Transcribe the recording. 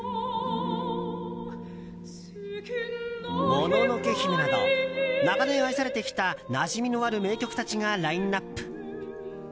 「もののけ姫」など長年愛されてきたなじみのある名曲たちがラインアップ。